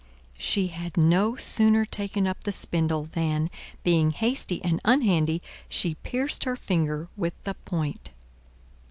She had no sooner taken up the spindle than, being hasty and unhandy, she pierced her finger with the point.